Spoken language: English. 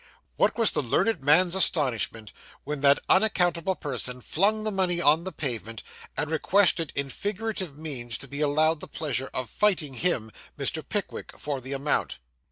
What was the learned man's astonishment, when that unaccountable person flung the money on the pavement, and requested in figurative terms to be allowed the pleasure of fighting him (Mr. Pickwick) for the amount!